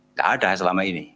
tidak ada selama ini